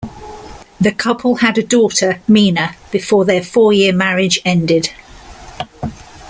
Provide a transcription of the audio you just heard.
The couple had a daughter Mina before their four-year marriage ended.